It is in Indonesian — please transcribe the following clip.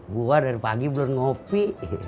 gue dari pagi belum ngopi